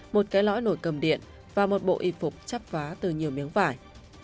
một cái lõi nổi cầm điện và một bộ y phục chắp vá từ nhiều miếng vải